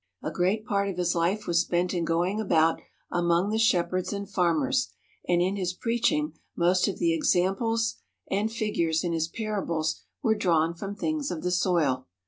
A great part of His life was spent in going about among the shepherds and farmers, and in His preaching most of the examples and figures in His parables were drawn from things of the soil.